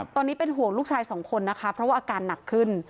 ตอนนี้เป็นห่วงลูกชายสองคนนะคะเพราะว่าอาการหนักขึ้น